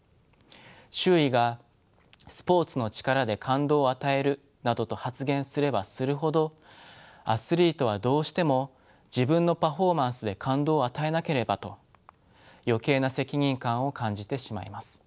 周囲が「スポーツの力で感動を与える」などと発言すればするほどアスリートはどうしても「自分のパフォーマンスで感動を与えなければ」と余計な責任感を感じてしまいます。